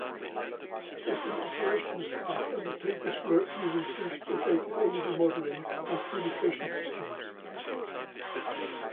System Operations staff undertake this work using sophisticated energy modelling and communications systems.